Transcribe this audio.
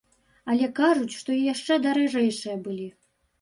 Але кажуць, што і яшчэ даражэйшыя былі.